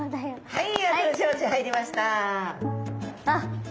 はい。